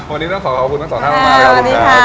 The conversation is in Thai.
วันนี้ต้องขอขอบคุณทั้งสองท่านมากนะครับ